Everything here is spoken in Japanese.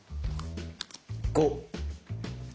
５！